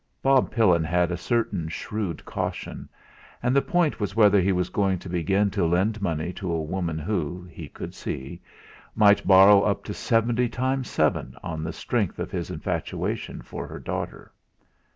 Bob Pillin had a certain shrewd caution, and the point was whether he was going to begin to lend money to a woman who, he could see, might borrow up to seventy times seven on the strength of his infatuation for her daughter.